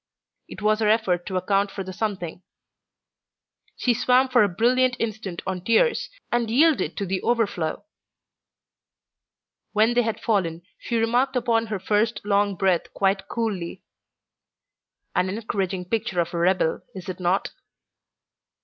It was her effort to account for the something. She swam for a brilliant instant on tears, and yielded to the overflow. When they had fallen, she remarked upon her first long breath quite coolly: "An encouraging picture of a rebel, is it not?"